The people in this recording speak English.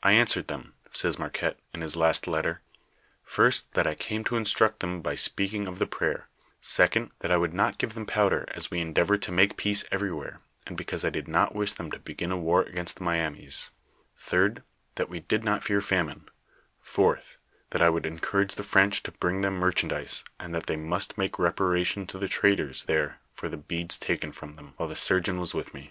"I answered them," says Marqnette in his last letter, " first, that I came to instruct them by speaking of the prayer; second, that I would not give them powder, as we endeavor to make peace everywhere, and because I did not wish them to begin a war against the Miamis; third, that we did not fear famine; fourth, that I would encourage the French to bring them merchandise, and that they must make reparation to the traders there for the beads taken from them, wliile the surgeon was with me."